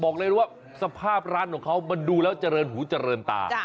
เข้าไปข้างน